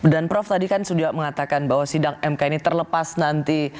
dan prof tadi kan sudah mengatakan bahwa sidang mk ini terlepas nanti